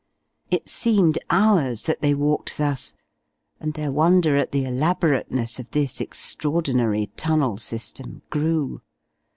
It seemed hours that they walked thus, and their wonder at the elaborateness of this extraordinary tunnel system grew.